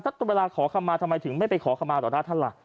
ถ้าเวลาขอคำมาทำไมถึงไม่ไปขอคำมาต่อหน้าท่านล่ะ